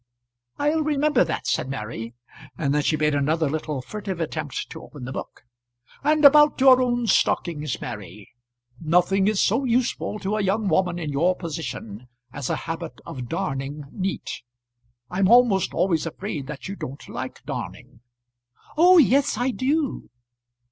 "I'll remember that," said Mary, and then she made another little furtive attempt to open the book. "And about your own stockings, Mary. Nothing is so useful to a young woman in your position as a habit of darning neat. I'm sometimes almost afraid that you don't like darning." "Oh yes I do."